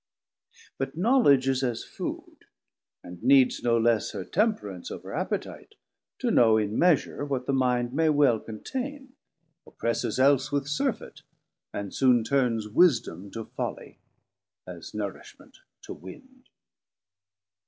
But Knowledge is as food, and needs no less Her Temperance over Appetite, to know In measure what the mind may well contain, Oppresses else with Surfet, and soon turns Wisdom to Folly, as Nourishment to Winde.